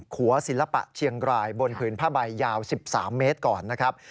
หัวศิลปะเชียงรายบนผืนผ้าใบยาว๑๓เมตรก่อนนะครับ